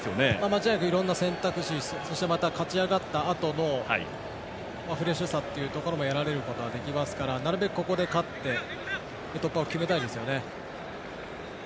間違いなくいろんな選択肢そしてまた、勝ち上がったあとのフレッシュさというところも得られることができますからなるべくここで勝って突破を決めたいですよね。